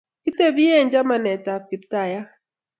Kitebie eng' chamanetab Kiptayat